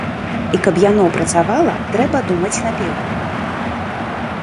І каб яно працавала, трэба думаць наперад.